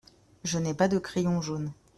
Je n’ai pas de crayon jaune.